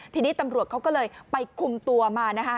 ทีนี้ตำรวจเขาก็เลยไปคุมตัวมานะคะ